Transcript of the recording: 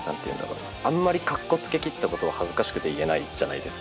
あんまりかっこつけきったことは恥ずかしくて言えないじゃないですけど。